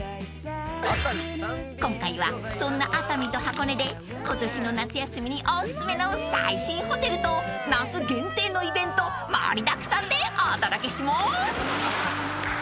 ［今回はそんな熱海と箱根で今年の夏休みにおすすめの最新ホテルと夏限定のイベント盛りだくさんでお届けしまーす］